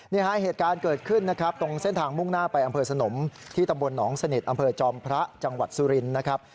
เหตุการณ์เกิดขึ้นนะครับตรงเส้นทางมุ่งหน้าไปอำเภอสนมที่ตำบลหนองสนิทอำเภอจอมพระจังหวัดสุรินทร์นะครับ